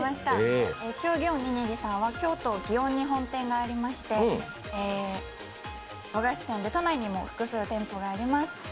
ににぎさんは京都・祇園に本店がありまして和菓子店で都内にも複数店舗があります。